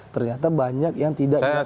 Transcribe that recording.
ternyata banyak yang tidak bisa diterapkan